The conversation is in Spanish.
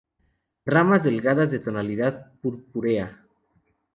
Ramas delgadas de tonalidad purpúrea.